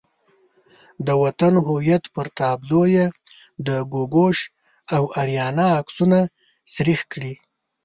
د وطن هویت پر تابلو یې د ګوګوش او آریانا عکسونه سریښ کړي.